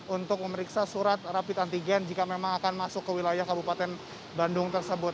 untuk memeriksa surat rapid antigen jika memang akan masuk ke wilayah kabupaten bandung tersebut